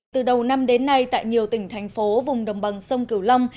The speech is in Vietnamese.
từ đầu năm đến nay tại nhiều tỉnh thành phố vùng đồng bằng sông cửu long